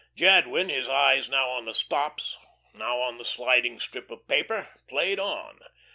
Jadwin, his eyes now on the stops, now on the sliding strip of paper, played on.